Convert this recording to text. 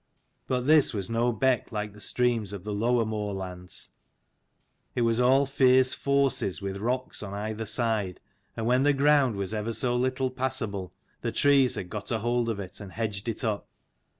But this was no beck like the streams of the low r er moorlands. It was all fierce forces with rocks on cither hand, and when the ground was ever so little passable the trees had got a hold of it, and hedged it up.